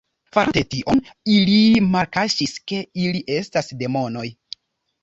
Farante tion, ili malkaŝis ke ili estas demonoj.